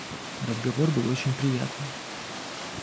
Разговор был очень приятный.